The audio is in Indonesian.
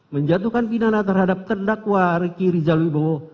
menjatuhkan pidana terhadap terdakwa riki rizal wibowo